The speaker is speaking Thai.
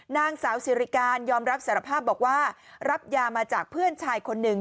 นางสาวสิริการยอมรับสารภาพบอกว่ารับยามาจากเพื่อนชายคนหนึ่ง